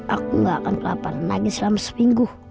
aku nggak akan kelaparan lagi selama seminggu